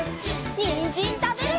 にんじんたべるよ！